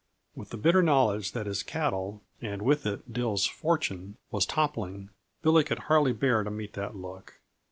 With the bitter knowledge that his castle, and with it Dill's fortune, was toppling, Billy could hardly bear to meet that look.